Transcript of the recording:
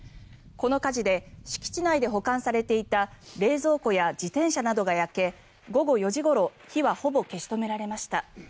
この火事で敷地内で保管されていた冷蔵庫や自転車などが焼け午後４時ごろ火はほぼ消し止められました。